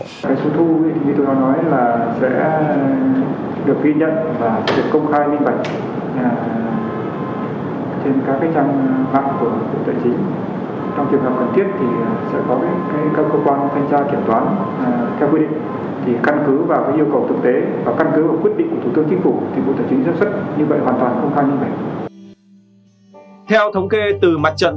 số thu như chúng ta nói là sẽ được ghi nhận và sẽ được công khai minh mạnh trên các trang mạng của tổ chức tài chính